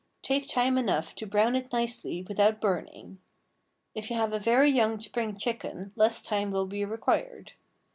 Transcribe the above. Take time enough to brown it nicely without burning. If you have a very young spring chicken less time will be required.